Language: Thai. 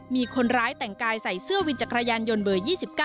มีคนร้ายแต่งกายใส่เสื้อวินจักรยานยนต์เบอร์๒๙